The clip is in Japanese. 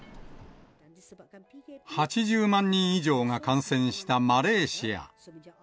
８０万人以上が感染したマレーシア。